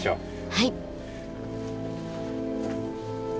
はい。